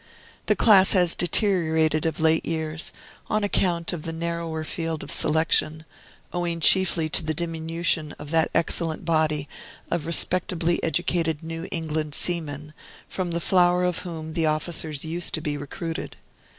The class has deteriorated of late years on account of the narrower field of selection, owing chiefly to the diminution of that excellent body of respectably educated New England seamen, from the flower of whom the officers used to be recruited.